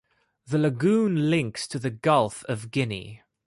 The lagoon links to the Gulf of Guinea.